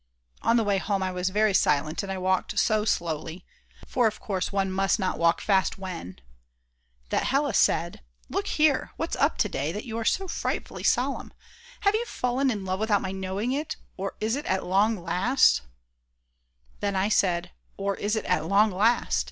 On the way home I was very silent, and I walked so slowly (for of course one must not walk fast when ...) that Hella said: "Look here, what's up to day, that you are so frightfully solemn? Have you fallen in love without my knowing it, or is it at long last ....?" Then I said "_Or is it at long last!